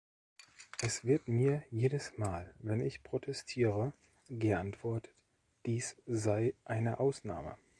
Es wird mir jedes Mal, wenn ich protestiere, geantwortet, dies sei eine Ausnahme.